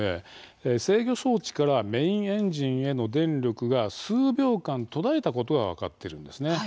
制御装置からメインエンジンへの電力が数秒間、途絶えたことが分かっているんですね。